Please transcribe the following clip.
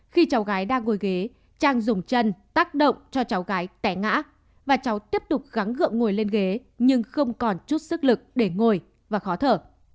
khi cháu gái đang ngồi ghế trang dùng chân tác động cho cháu gái té ngã và cháu tiếp tục gắn gượng ngồi lên ghế nhưng không còn chút sức lực để ngồi và khó thở